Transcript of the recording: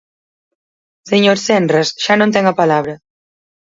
Señor Senras, xa non ten a palabra.